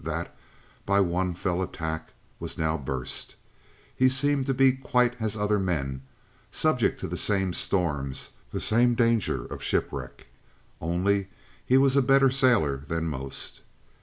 That, by one fell attack, was now burst. He was seen to be quite as other men, subject to the same storms, the same danger of shipwreck. Only he was a better sailor than most.